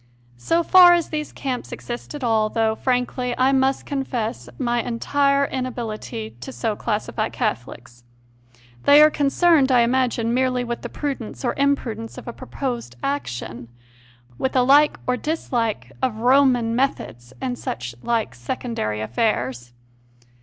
So far as these camps exist at all, though, frankly, I must confess my entire inability so to classify Catholics, they are concerned, I imagine, merely with the prudence or imprudence of a proposed CONFESSIONS OF A CONVERT 149 action, with a like or dislike of "Roman" methods and such like secondary affairs.